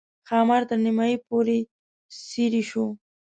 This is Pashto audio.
ښامار تر نیمایي پورې څېرې شو.